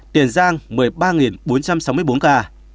tiền giang một mươi ba bốn trăm sáu mươi bốn ca